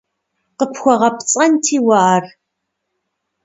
КъыпхуэгъэпцӀэнти уэ ар!